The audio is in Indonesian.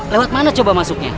lewat mana coba masuknya